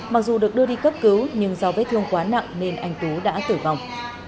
mặc dù được đưa đi cấp cứu nhưng do vết thương quá nặng nên anh tú đã tử vong